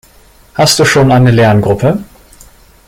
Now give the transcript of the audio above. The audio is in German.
Hast du schon eine Lerngruppe?